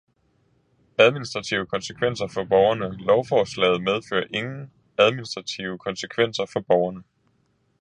Administrative konsekvenser for borgerne Lovforslaget medfører ingen administrative konsekvenser for borgerne.